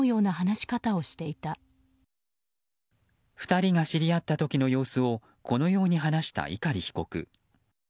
２人が知り合った時の様子をこのように話した碇被告。